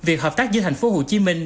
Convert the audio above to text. việc hợp tác giữa thành phố hồ chí minh